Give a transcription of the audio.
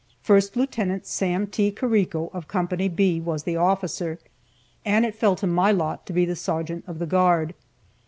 First Lieut. Sam T. Carrico, of Co. B, was the officer, and it fell to my lot to be the sergeant of the guard.